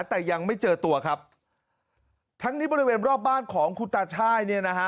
แต่ยังไม่เจอตัวครับทั้งนี้บริเวณรอบบ้านของคุณตาช่ายเนี่ยนะฮะ